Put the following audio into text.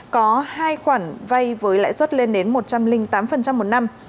có hai khoản vay với lãi suất lên đến một trăm linh tám một năm